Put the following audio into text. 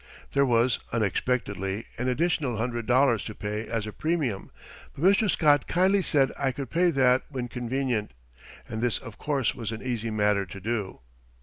There was, unexpectedly, an additional hundred dollars to pay as a premium, but Mr. Scott kindly said I could pay that when convenient, and this of course was an easy matter to do.